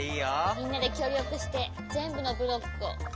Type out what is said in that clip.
みんなできょうりょくしてぜんぶのブロックを。